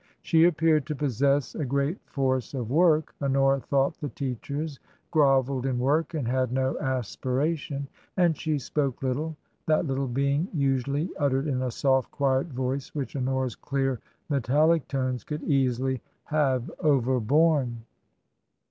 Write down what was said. She appeared to possess a great force of work — Honora thought the teachers grov elled in work and had no aspiration — and she spoke little, that little being usually uttered in a soft, quiet voice which Honora's clear metallic tones could easily have overborne.